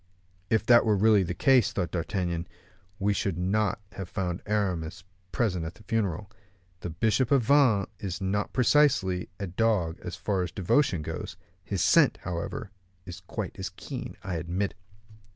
"If that were really the case," thought D'Artagnan, "we should not have found Aramis present at his funeral. The bishop of Vannes is not precisely a dog as far as devotion goes: his scent, however, is quite as keen, I admit."